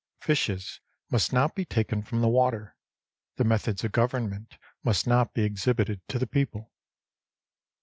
Fishes must not be taken from the water : the methods of government must not be exhibited to the people.